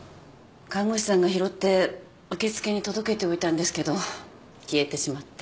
看護師さんが拾って受付に届けておいたんですけど消えてしまって。